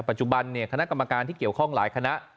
ปัจจุบันคณะกรรมการที่เกี่ยวข้องหลายคณะ